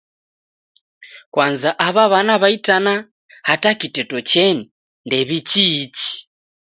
Kwanza aw'a wana wa itanaha hata kiteto cheni ndew'ichiichi.